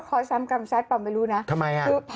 หัวหัวกันไงคุณแม่